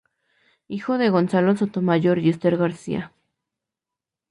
Hijo de Gonzalo Sotomayor y Ester García.